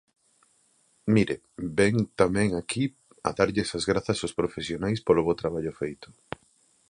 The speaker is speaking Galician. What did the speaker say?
Mire, vén tamén aquí a darlles as grazas aos profesionais polo bo traballo feito.